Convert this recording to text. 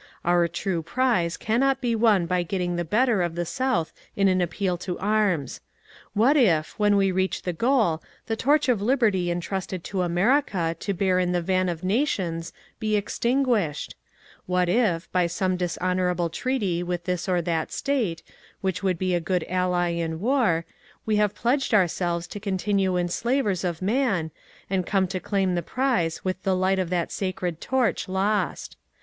Our true prize cannot be won by getting the better of the South in an appeal to arms. What if, when we reach the goal, the torch of Liberty entrusted to America to bear in the van of nations be extinguished ! What if, by some dishon ourable treaty with this or that State, which would be a good ally in war, we have pledged ourselves to continue enslavers of man, and come to claim the prize with the light of that sacred torch lost